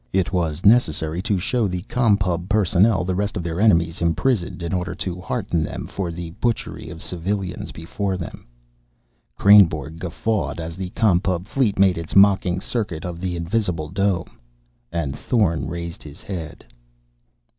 It was necessary to show the Com Pub personnel the rest of their enemies imprisoned, in order to hearten them for the butchery of civilians before them. Kreynborg guffawed as the Com Pub fleet made its mocking circuit of the invisible dome. And Thorn raised his head.